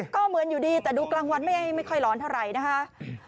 ก็เหมือนอยู่ดีแต่ดูกลางวันไม่ค่อยร้อนเท่าไหร่นะคะ